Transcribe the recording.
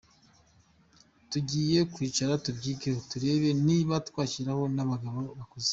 Tugiye kwicara tubyigeho turebe niba twashyiraho ab’abagabo bakuze.